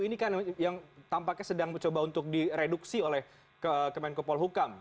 ini kan yang tampaknya sedang mencoba untuk direduksi oleh kemenkopol hukam